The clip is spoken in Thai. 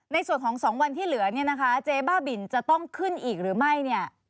ในส่วนของ๒วันที่เหลือเจบ้าบินจะต้องขึ้นอีกหรือไม่